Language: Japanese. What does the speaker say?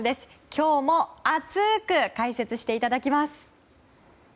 今日も熱く解説していただきます。